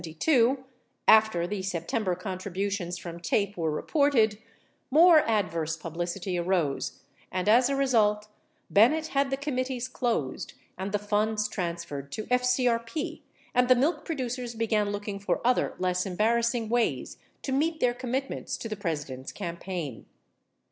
51 Later, in late 1971 and early 1972, after the September contributions from TAPE were reported, more adverse publicity arose and, as a result, Bennett had the committees closed and the funds transferred to FCRP, and the milk producers began looking for other less embarrassing ways to meet their commitments to the President's campaign.